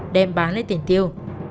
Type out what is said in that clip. đem bán lấy tiền tiêu